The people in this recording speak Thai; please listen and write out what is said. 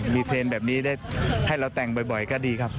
มีเทรนด์แบบนี้ได้ให้เราแต่งบ่อยก็ดีครับ